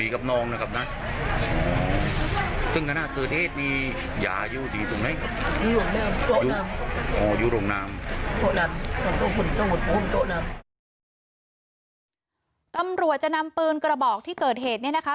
ตำรวจจะนำปืนกระบอกที่เกิดเหตุเนี่ยนะคะ